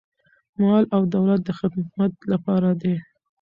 مال او دولت د خدمت لپاره دی.